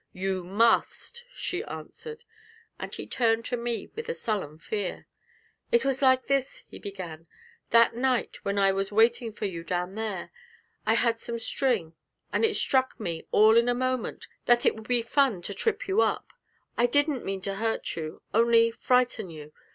'You must,' she answered, and he turned to me with a sullen fear. 'It was like this,' he began; 'that night, when I was waiting for you down there I had some string, and it struck me, all in a moment, that it would be fun to trip you up. I didn't mean to hurt you only frighten you.